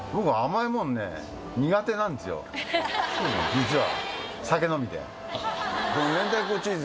実は。